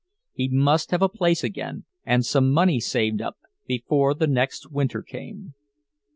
He must have a place again and some money saved up, before the next winter came.